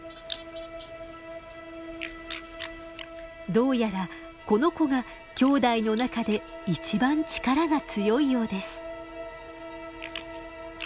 どうやらこの子がきょうだいの中で一番力が強いようです。